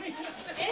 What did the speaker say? えっ？